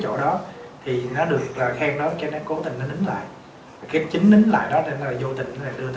chỗ đó thì nó được là khen đó cho nó cố tình nó nín lại cái chính nín lại đó nên là vô tình là đưa